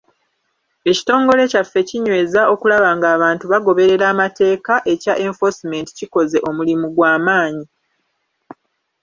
Ekitongole kyaffe ekinyweza okulaba ng’abantu bagoberera amateeka ekya enforcement kikoze omulimu gwamaanyi.